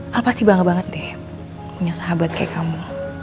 hal pasti bangga banget deh punya sahabat kayak kamu